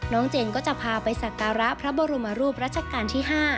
เจนก็จะพาไปสักการะพระบรมรูปรัชกาลที่๕